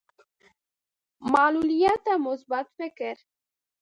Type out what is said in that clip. معلوليت او مثبت فکر.